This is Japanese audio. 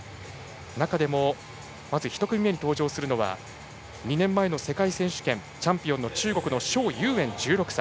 中でもまず１組目に登場するのは２年前の世界選手権チャンピオン中国の蒋裕燕、１６歳。